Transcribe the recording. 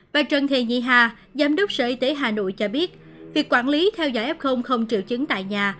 bà trần thị nhị hà giám đốc sở y tế hà nội cho biết việc quản lý theo dõi f không triệu chứng tại nhà